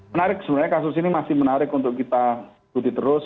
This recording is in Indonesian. menarik sebenarnya kasus ini masih menarik untuk kita cuti terus